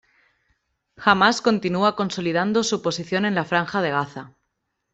Hamas continúa consolidando su posición en la Franja de Gaza.